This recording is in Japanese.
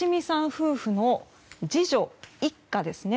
夫婦の次女一家ですね。